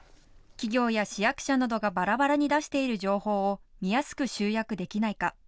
企業や市役所などがバラバラに出している情報を見やすく集約できないか。